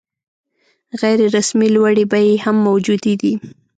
غیر رسمي لوړې بیې هم موجودې دي.